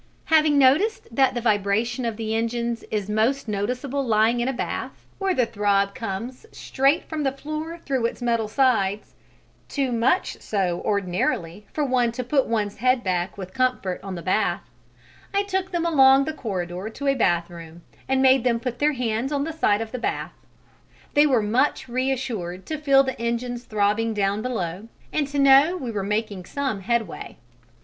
Having noticed that the vibration of the engines is most noticeable lying in a bath, where the throb comes straight from the floor through its metal sides too much so ordinarily for one to put one's head back with comfort on the bath, I took them along the corridor to a bathroom and made them put their hands on the side of the bath: they were much reassured to feel the engines throbbing down below and to know we were making some headway.